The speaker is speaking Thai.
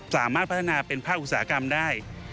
สามารถพัฒนาเป็นภาคอุตสาหกรรมได้